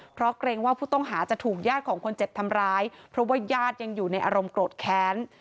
เพราะเกรงว่าผู้ต้องหาจะถูกญาติของคนเจ็บทำร้ายเพราะว่าญาติยังอยู่ในอารมณ์โกรธแค้น